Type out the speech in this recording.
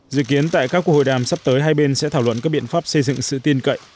dự kiến tại các cuộc hội đàm sắp tới hai bên sẽ thảo luận các biện pháp xây dựng sự tin cậy